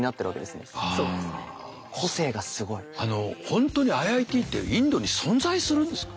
本当にＩＩＴってインドに存在するんですか？